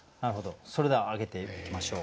それでは挙げていきましょう。